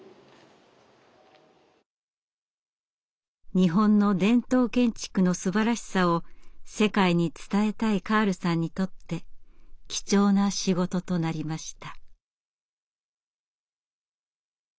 日本の伝統建築のすばらしさを世界に伝えたいカールさんにとって貴重な仕事となりました。